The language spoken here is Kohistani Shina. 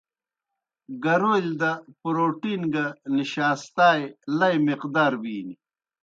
گَرَولِیْ دہ پروٹین گہ نشاستائے لئی مقدار بِینیْ۔